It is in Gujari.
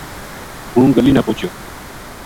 ہوں گلی نا پوہچیو